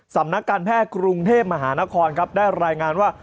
สำนักการแพทย์กรุงเทพมหานครครับได้รายงานว่า